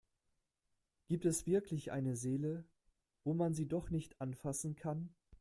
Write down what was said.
Gibt es wirklich eine Seele, wo man sie doch nicht anfassen kann?